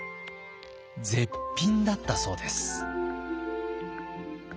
絶品だったそうです。